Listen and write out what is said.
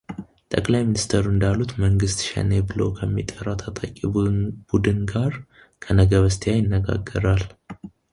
ጠቅላይ ሚኒስትሩ እንዳሉት መንግሥት ሸኔ ብሎ ከሚጠራው ታጣቂ ቡድን ጋር ከነገ በስቲያ ይነጋገራል